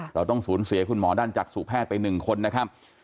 เราต้องสูญเสียคุณหมอด้านจักษุแพทย์ไป๑คนนะครับ